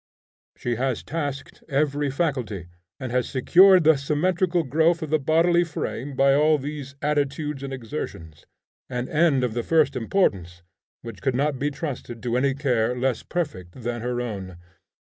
She has tasked every faculty, and has secured the symmetrical growth of the bodily frame by all these attitudes and exertions, an end of the first importance, which could not be trusted to any care less perfect than her own.